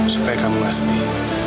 supaya kamu gak sedih